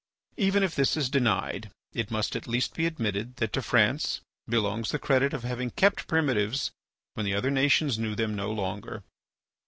Even if this is denied it must at least be admitted that to France belongs the credit of having kept primitives when the other nations knew them no longer.